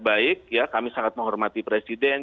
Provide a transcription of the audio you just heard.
baik ya kami sangat menghormati presiden